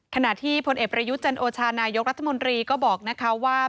ขณะที่พลเอกประยุทธ์จันโอชานายกรัฐมนตรีก็บอกนะคะว่า